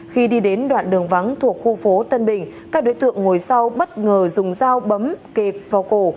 khi đi đến đoạn đường vắng thuộc khu phố tân bình các đối tượng ngồi sau bất ngờ dùng dao bấm kệ vào cổ